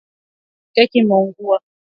Keki imeungua